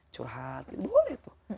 curhat gitu boleh tuh